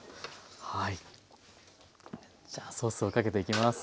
じゃソースをかけていきます。